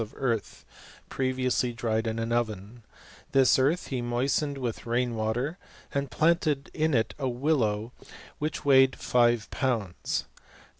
of earth, previously dried in an oven, Thi» earth he moistened with rain water, and planted in it' a willow which weighed five pounds.